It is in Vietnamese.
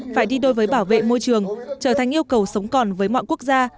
phải đi đôi với bảo vệ môi trường trở thành yêu cầu sống còn với mọi quốc gia